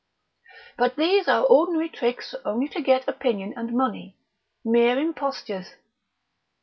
But these are ordinary tricks only to get opinion and money, mere impostures.